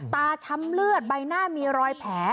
ช้ำเลือดใบหน้ามีรอยแผล